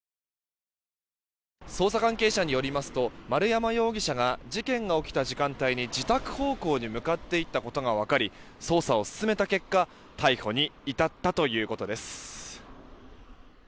捜査関係者によりますと丸山容疑者が事件が起きた時間帯に自宅方向に向かっていったことが分かり捜査を進めた結果逮捕に至ったということです。